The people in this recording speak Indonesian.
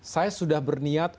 saya sudah berniat